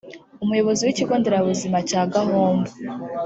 umuyobozi w’ikigo nderabuzima cya Gahombo